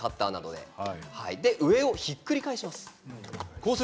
そして上をひっくり返します。